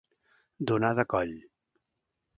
Donar de coll.